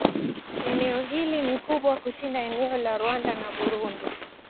Eneo hili ni kubwa kushinda eneo la Rwanda au Burundi.